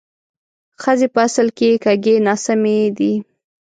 ښځې په اصل کې کږې ناسمې دي